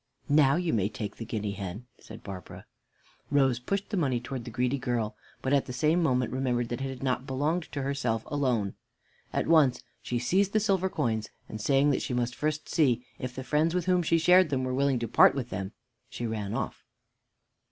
"Now you may take the guinea hen," said Barbara. Rose pushed the money towards the greedy girl, but at the same moment remembered that it had not belonged to herself alone. At once she seized the silver coins, and saying that she must first see if the friends with whom she shared them were willing to part with them, she ran off.